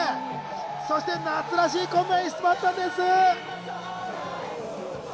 そして夏らしいこんな演出もあったんです。